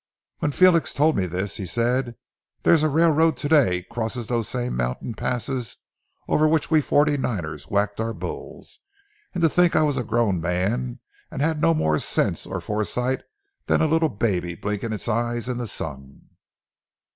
When Felix told me this he said—'There's a railroad to day crosses those same mountain passes over which we forty niners whacked our bulls. And to think I was a grown man and had no more sense or foresight than a little baby blinkin' its eyes in the sun.'"